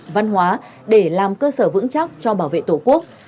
văn hóa để làm cơ sở vững chắc cho bảo vệ tổ quốc